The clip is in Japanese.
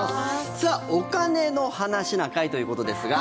さあ、「お金の話な会」ということですが。